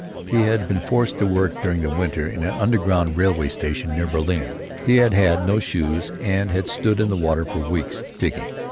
He had been forced to work during the winter in an underground railway station near Berlin. He had had no shoes and had stood in the water for weeks, digging.